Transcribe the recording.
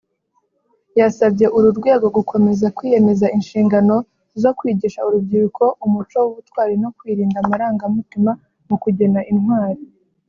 yasabye uru rwego gukomeza kwiyemeza inshingano zo kwigisha urubyiruko umuco w’ ubutwari no kwirinda amarangamutima mu kugena intwari